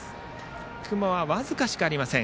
雲は僅かしかありません。